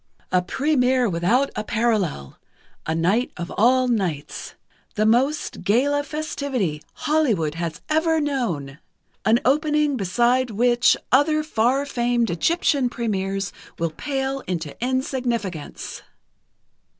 "_A première without a parallel. A night of all nights. The most gala festivity Hollywood has ever known. An opening beside which other far famed Egyptian premières will pale into insignificance.